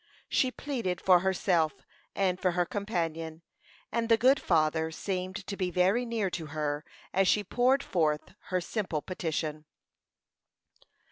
She pleaded for herself and for her companion, and the good Father seemed to be very near to her as she poured forth her simple petition.